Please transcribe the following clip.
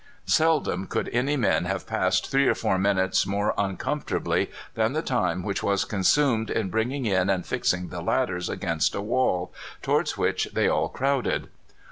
Seldom could any men have passed three or four minutes more uncomfortably than the time which was consumed in bringing in and fixing the ladders against a wall, towards which they all crowded.